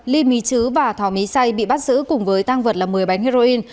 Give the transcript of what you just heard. ly mí chứ và thỏ mí say bị bắt giữ cùng với tăng vật là một mươi bánh heroin